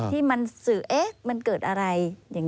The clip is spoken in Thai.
ที่มันสื่อเอ๊ะมันเกิดอะไร